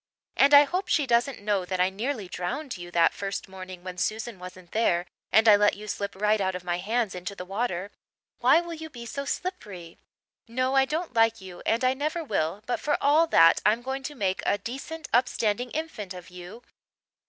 And I hope she doesn't know that I nearly drowned you that first morning when Susan wasn't there and I let you slip right out of my hands into the water. Why will you be so slippery? No, I don't like you and I never will but for all that I'm going to make a decent, upstanding infant of you.